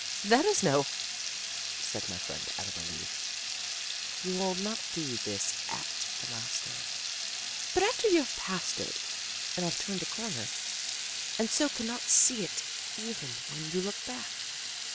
That is, no " said my friend Annabel Lee, "you will not do this at the milestone, but after you have passed it and have turned a corner, and so can not see it even when you look back."